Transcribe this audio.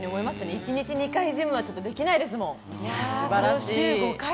一日２回ジムはできないですもの、素晴らしい。